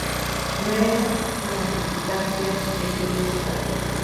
No era la militancia que se vio más tarde.